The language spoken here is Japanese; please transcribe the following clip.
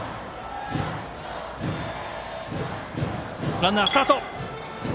ランナー、スタート。